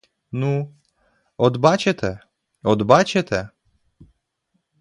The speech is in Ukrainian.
Ну, от бачите, от бачите.